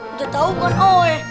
udah tahu kan oi